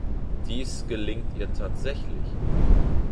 Dies gelingt ihr tatsächlich.